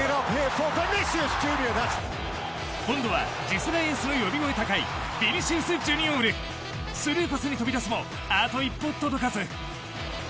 今度は次世代エースの呼び声高いビニシウス・ジュニオールスルーパスに飛び出すもあと一歩届かず。